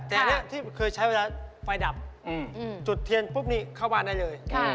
แต่อันนี้ที่เคยใช้เวลาไฟดับจุดเทียนปุ๊บนี่เข้าบ้านได้เลย